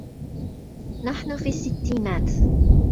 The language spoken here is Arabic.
نحن في السّتّينات.